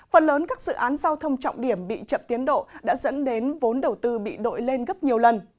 phần lớn các dự án giao thông trọng điểm bị chậm tiến độ đã dẫn đến vốn đầu tư bị đội lên gấp nhiều lần